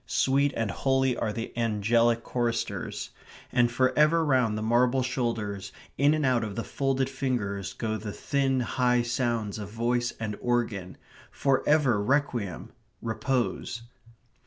Sweet and holy are the angelic choristers. And for ever round the marble shoulders, in and out of the folded fingers, go the thin high sounds of voice and organ. For ever requiem repose.